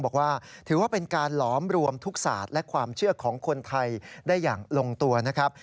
บอกว่าถือว่าเป็นการหลอมรวมทุกศาสตร์และความเชื่อของคนไทยได้อย่างลงตัวนะครับ